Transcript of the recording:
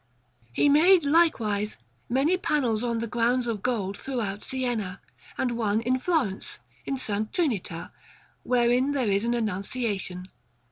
He made, likewise, many panels on grounds of gold throughout Siena, and one in Florence, in S. Trinita, wherein there is an Annunciation.